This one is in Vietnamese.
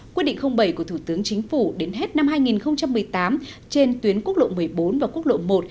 quyết định bảy của thủ tướng chính phủ đến hết năm hai nghìn một mươi tám trên tuyến quốc lộ một mươi bốn và quốc lộ một